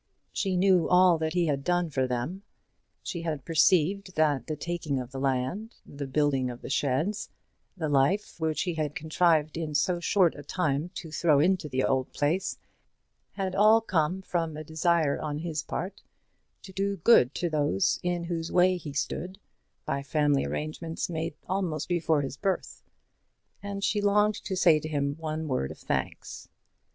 She knew all that he had done for them. She had perceived that the taking of the land, the building of the sheds, the life which he had contrived in so short a time to throw into the old place, had all come from a desire on his part to do good to those in whose way he stood by family arrangements made almost before his birth; and she longed to say to him one word of thanks.